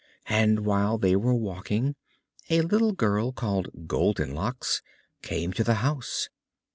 And while they were walking, a little Girl called Goldenlocks came to the house.